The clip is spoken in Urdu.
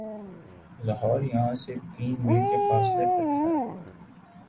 لاہور یہاں سے تین میل کے فاصلے پر ہے